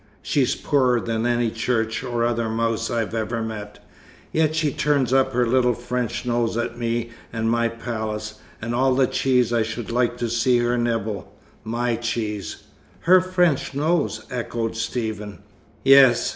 She's poorer than any church or other mouse I ever met, yet she turns up her little French nose at me and my palace, and all the cheese I should like to see her nibble my cheese." "Her French nose?" echoed Stephen. "Yes.